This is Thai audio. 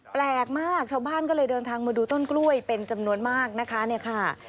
แปลกมากชาวบ้านก็เลยเดินทางมาดูต้นกล้วยเป็นจำนวนมากนะคะเนี่ยค่ะ